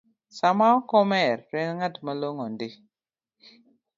Sama ok omer to en ng’at malong’o ndi